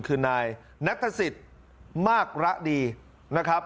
คือนายนัทศิษย์มากระดีนะครับ